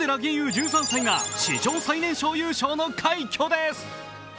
１３歳が史上最年少優勝の快挙です。